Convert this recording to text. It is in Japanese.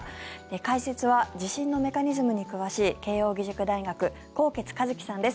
解説は地震のメカニズムに詳しい慶應義塾大学纐纈一起さんです。